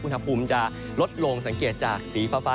อุณหภูมิจะลดลงสังเกตจากสีฟ้า